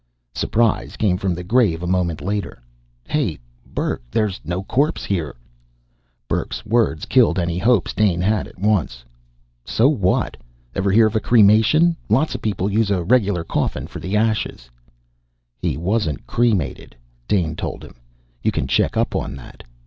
Surprise came from the grave a moment later. "Hey, Burke, there's no corpse here!" Burke's words killed any hopes Dane had at once. "So what? Ever hear of cremation? Lots of people use a regular coffin for the ashes." "He wasn't cremated," Dane told him. "You can check up on that."